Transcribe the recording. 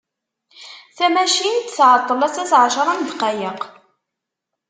Tamacint tεeṭṭel assa s εecra n ddqayeq.